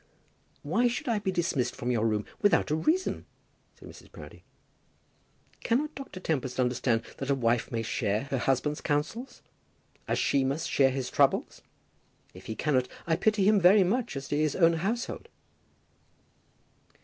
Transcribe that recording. "Why should I be dismissed from your room without a reason?" said Mrs. Proudie. "Cannot Dr. Tempest understand that a wife may share her husband's counsels, as she must share his troubles? If he cannot, I pity him very much as to his own household."